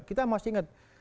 kita harus ingat